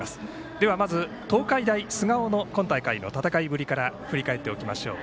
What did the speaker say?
ではまず東海大菅生の今大会の戦いぶりから振り返っておきましょう。